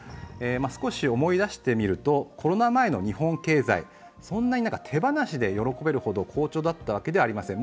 少し思い出してみると、コロナ前の日本経済、そんなに手放しで喜べるほど好調だったわけではありません。